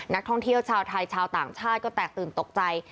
นักท่องเที่ยวชาวไทยชาวต่างชาติก็แตกตื่นตกใจ